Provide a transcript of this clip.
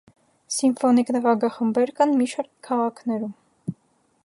Սիմֆոնիկ նվագախմբեր կան մի շարք քաղաքներում։